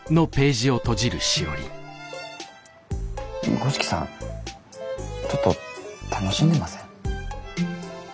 五色さんちょっと楽しんでません？